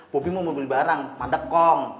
bobi mau beli barang madekong